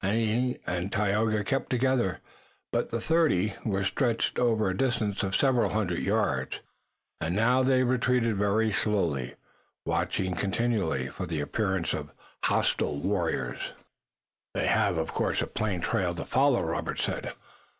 He and Tayoga kept together, but the thirty were stretched over a distance of several hundred yards, and now they retreated very slowly, watching continually for the appearance of hostile warriors. "They have, of course, a plain trail to follow," Robert said.